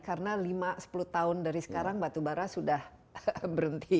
karena lima sepuluh tahun dari sekarang batubara sudah berhenti